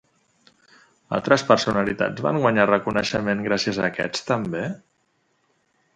Altres personalitats van guanyar reconeixement gràcies a aquests també?